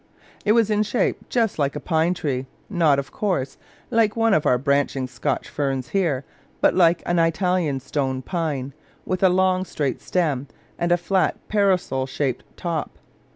It was in shape just like a pine tree; not, of course, like one of our branching Scotch firs here, but like an Italian stone pine, with a long straight stem and a flat parasol shaped top.